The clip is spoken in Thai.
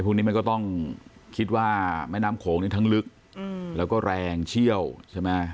พวกนี้มันก็ต้องคิดว่าแม่น้ำโขงนี่ทั้งลึกแล้วก็แรงเชี่ยวใช่ไหม